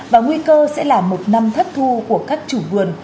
và nguy cơ sẽ là một năm thất thu của các chủ vườn